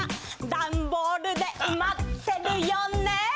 ダンボールで埋まってるよね。